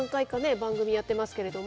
番組やってますけれども。